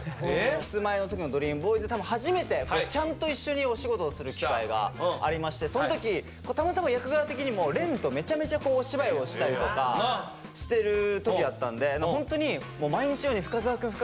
キスマイの時の「ＤＲＥＡＭＢＯＹＳ」多分初めてちゃんと一緒にお仕事をする機会がありましてその時たまたま役柄的にも廉とめちゃめちゃお芝居をしたりとかしてる時だったんでホントに毎日のように「深澤くん深澤くんこれ教えてくださいよ」